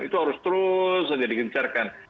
itu harus terus menjadi gencar kan